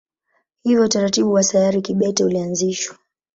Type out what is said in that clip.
Hivyo utaratibu wa sayari kibete ulianzishwa.